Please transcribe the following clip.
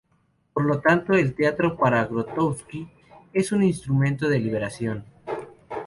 Por lo tanto el teatro para Grotowski es un instrumento de liberación.